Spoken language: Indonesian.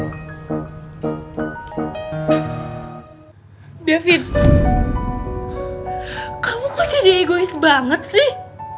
david kamu jadi egois banget sih